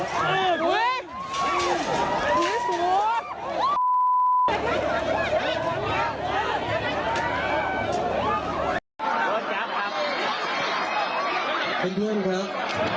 เป็นเพื่อนครับ